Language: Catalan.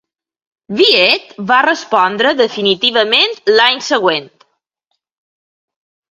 Viète va respondre definitivament l'any següent.